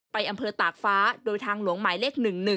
อำเภอตากฟ้าโดยทางหลวงหมายเลข๑๑